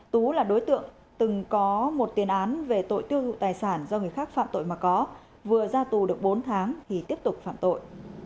tú là đối tượng từng có một tiền án về tội tiêu thụ tài sản do người khác phạm tội mà có vừa ra tù được bốn tháng thì tiếp tục phạm tội